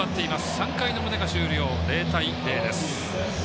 ３回の表が終了、０対０です。